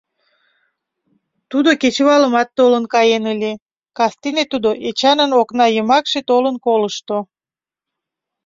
Тудо кечывалымат толын каен ыле. Кастене тудо Эчанын окна йымакше толын колышто.